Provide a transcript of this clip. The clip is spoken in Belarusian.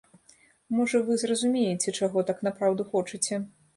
Можа, вы зразумееце, чаго так напраўду хочаце.